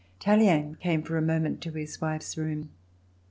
Tallien came for a moment to his wife's room.